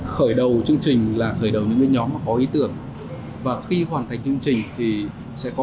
khởi đầu chương trình là khởi đầu những nhóm có ý tưởng và khi hoàn thành chương trình thì sẽ có